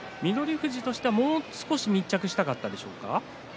富士としてはもう少し密着したかったでしょうか。